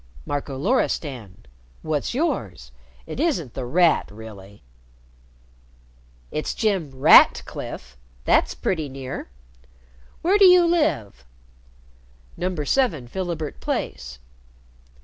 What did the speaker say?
"Marco Loristan. What's yours? It isn't The Rat really." "It's Jem _Rat_cliffe. That's pretty near. Where do you live?" "No. 7 Philibert Place."